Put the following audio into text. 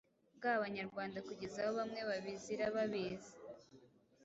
bwabanyarwanda kugeza aho bamwe babizira babizi,